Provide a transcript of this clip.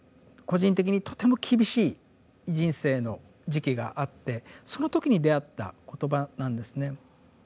個人的にとても厳しい人生の時期があってその時に出会った言葉なんですね。